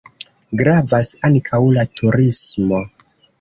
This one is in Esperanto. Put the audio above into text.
Gravas ankaŭ la turismo.